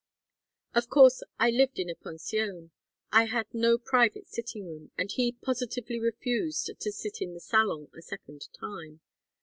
"Of course I lived in a pension. I had no private sitting room, and he positively refused to sit in the salon a second time.